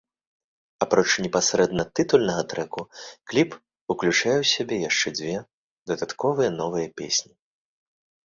Апроч непасрэдна тытульнага трэку, кліп уключае ў сябе яшчэ дзве дадатковыя новыя песні.